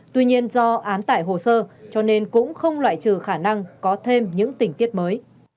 tuy nhiên do án tải hồ sơ cho nên cũng không loại trừ khả năng có thêm những tình tiết mới